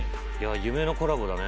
夢のコラボだね。